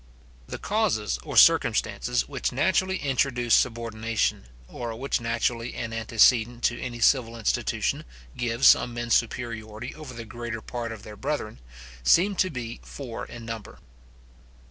The causes or circumstances which naturally introduce subordination, or which naturally and antecedent to any civil institution, give some men some superiority over the greater part of their brethren, seem to be four in number.